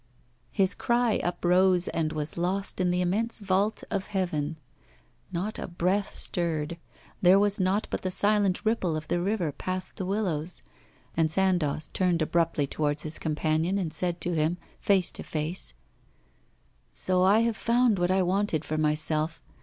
His cry uprose and was lost in the immense vault of heaven. Not a breath stirred; there was nought but the silent ripple of the river past the willows. And Sandoz turned abruptly towards his companion, and said to him, face to face: 'So I have found what I wanted for myself.